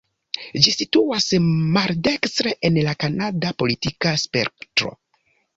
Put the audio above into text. Ĝi situas maldekstre en la kanada politika spektro.